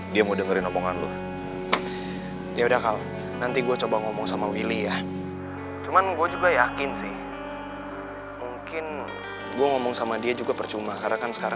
ya buat semua yang udah kamu lakuin dan kamu ucapin buat aku